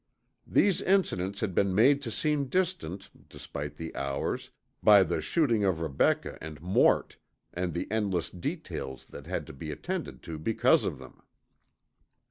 These incidents had been made to seem distant, despite the hours, by the shooting of Rebecca and Mort and the endless details that had to be attended to because of them.